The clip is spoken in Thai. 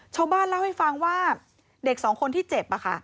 ชาวบ้านเล่าให้ฟังว่าเด็กสองคนที่เจ็บ